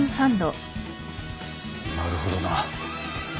なるほどな。